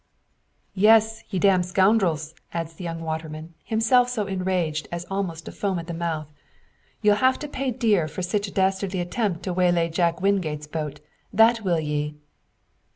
"Yes, ye damned scoun'rels!" adds the young waterman, himself so enraged as almost to foam at the mouth. "Ye'll have to pay dear for sich a dastartly attemp' to waylay Jack Wingate's boat. That will ye."